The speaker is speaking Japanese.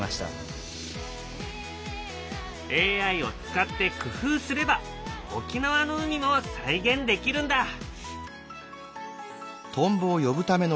ＡＩを使って工夫すれば沖縄の海も再現できるんだ。